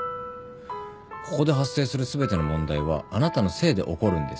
ここで発生する全ての問題はあなたのせいで起こるんです。